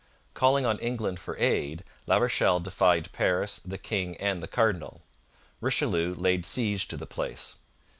Calling on England for aid, La Rochelle defied Paris, the king, and the cardinal. Richelieu laid siege to the place.